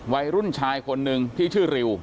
วัยรุ่นชายคนหนึ่งที่ชื่อริว